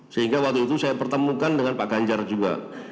sehingga waktu itu saya pertemukan dengan pak ganjar juga